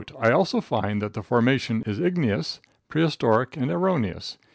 I also find that the formation is igneous, prehistoric and erroneous.